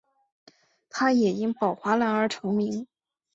他也因宝华蓝而成名。